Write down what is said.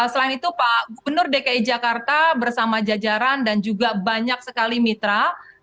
selain itu pak gubernur dki jakarta bersama jajaran dan juga banyak sekali mitra